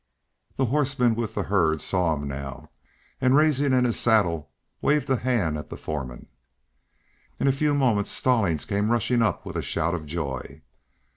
The horseman with the herd saw him now, and rising in his saddle, waved a hand at the foreman. In a few moments Stallings came rushing up with a shout of joy. [Illustration: Good for You, Kid!